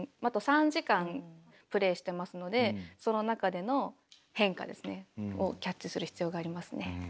あと３時間プレーしてますのでその中での変化ですねをキャッチする必要がありますね。